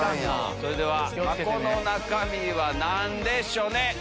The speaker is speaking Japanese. それでは箱の中身は何でしょね？